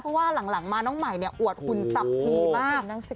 เพราะว่าหลังมาน้องใหม่อวดหุ่นสับพีมาก